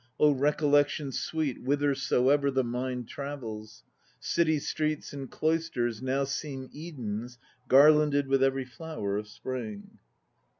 Oh, recollection sweet whithersoever The mind travels; City streets and cloisters now Seem Edens a garlanded With every flower of Spring.